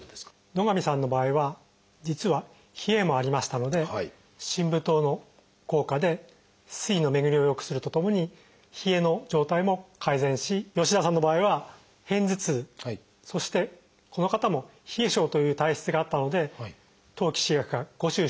野上さんの場合は実は冷えもありましたので真武湯の効果で「水」の巡りをよくするとともに冷えの状態も改善し吉田さんの場合は片頭痛そしてこの方も冷え症という体質があったので当帰四逆加呉茱萸